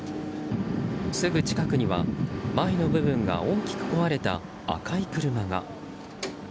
すぐ近くには前の部分が大きく壊れた赤い車が。